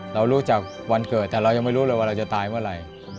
เรารู้จักวันเกิดแต่เรายังไม่รู้เลยว่าเราจะตายเมื่อไหร่